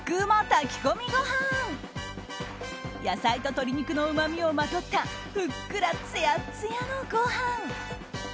炊き込みご飯野菜と鶏肉のうまみをまとったふっくらつやつやのご飯。